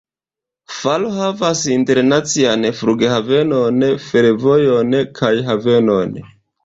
Faro havas internacian flughavenon, fervojon kaj havenon.